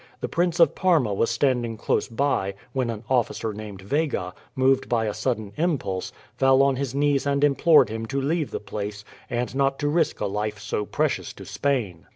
The Prince of Parma was standing close by, when an officer named Vega, moved by a sudden impulse, fell on his knees and implored him to leave the place, and not to risk a life so precious to Spain.